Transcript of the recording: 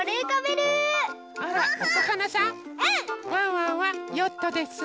ワンワンはヨットです。